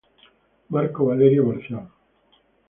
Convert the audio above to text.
Marco Valerio Marcial.